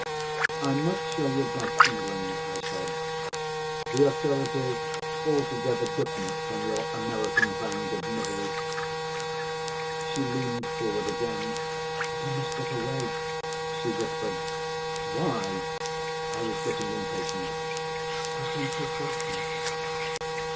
"I'm not sure you'd like England," I said. "The austerity's altogether different from your American brand of misery." She leaned forward again. "But I must get away," she whispered. "Why?" I was getting impatient. "Because I'm so frightened."